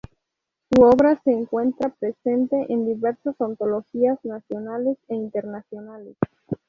Su obra se encuentra presente en diversas antologías nacionales e internacionales.